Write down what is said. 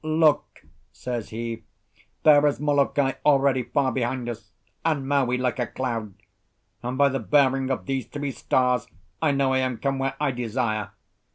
"Look!" says he, "there is Molokai already far behind us, and Maui like a cloud; and by the bearing of these three stars I know I am come where I desire.